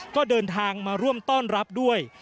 ก็เดินทางมาร่วมต้อนรับด้วย